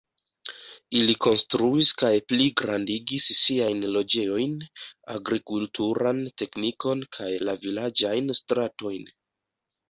Ili konstruis kaj pligrandigis siajn loĝejojn, agrikulturan teknikon kaj la vilaĝajn stratojn.